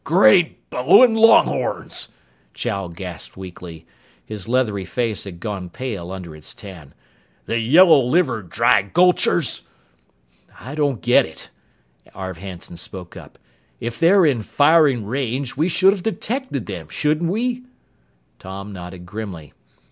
"Great bellowin' longhorns!" Chow gasped weakly. His leathery face had gone pale under its tan. "The yellow livered drygulchers!" "I don't get it," Arv Hanson spoke up. "If they're in firing range, we should have detected them, shouldn't we?" Tom nodded grimly.